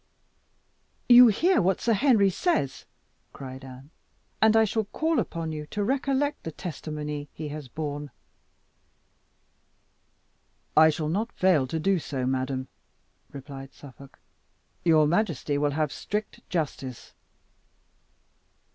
"You hear what Sir Henry says," cried Anne; "and I call upon you to recollect the testimony he has borne." "I shall not fail to do so, madam," replied Suffolk. "Your majesty will have strict justice."